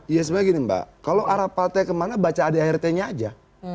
iya sebenarnya gini mbak kalau arah partai kemana baca adik adiknya aja